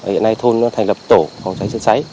hiện nay thôn nó thành lập tổ phòng cháy chạy cháy